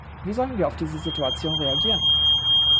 Wie sollen wir auf diese Situation reagieren?